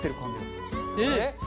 えっ！